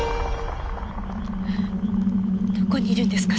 どこにいるんですか？